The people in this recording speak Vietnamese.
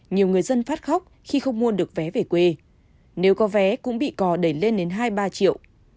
nhiều người dân phát khóc khi không mua được vé về quê nếu có vé cũng bị cò đẩy lên đến hai mươi ba triệu